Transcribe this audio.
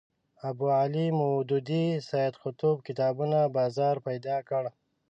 ابوالاعلی مودودي سید قطب کتابونو بازار پیدا کړ